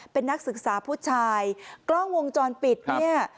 เป็นนักศึกษาผู้ชายกล้องวงจรปิดเนี่ย